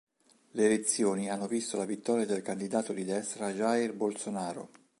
Le elezioni hanno visto la vittoria del candidato di destra Jair Bolsonaro.